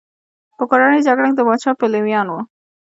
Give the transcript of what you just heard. په کورنۍ جګړه کې د پاچا پلویان وو.